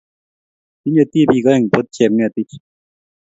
Tinye tibik aeng' pot Chepng'etich.